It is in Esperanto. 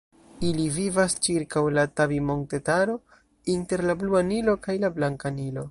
Ili vivas ĉirkaŭ la Tabi-montetaro, inter la Blua Nilo kaj la Blanka Nilo.